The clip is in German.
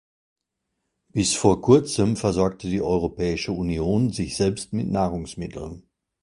Bis vor Kurzem versorgte die Europäische Union sich selbst mit Nahrungsmitteln.